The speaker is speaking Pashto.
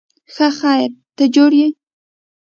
ښه خیر، ته جوړ یې؟